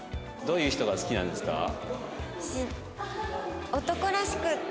どういう人が好きなんですか？